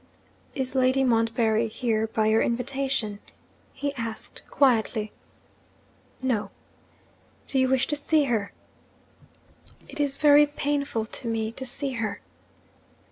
'Is Lady Montbarry here by your invitation?' he asked quietly. 'No.' 'Do you wish to see her?' 'It is very painful to me to see her.'